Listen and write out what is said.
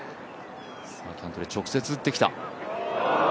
キャントレー、直接打ってきた。